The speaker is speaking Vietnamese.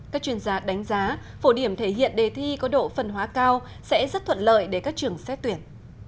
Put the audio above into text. các chuyên gia đánh giá phổ điểm thể hiện đề thi có độ phân hóa cao sẽ rất thuận lợi để các trường xét tuyển